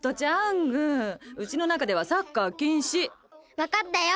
わかったよ。